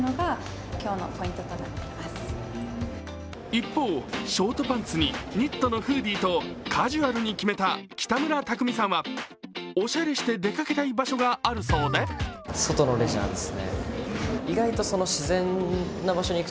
一方、ショートパンツにニットのフーディとカジュアルに決めた北村匠海さんは、おしゃれして出かけたい場所があるそうで続いては二宮和也さんへのインタビューです。